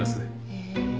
へえ。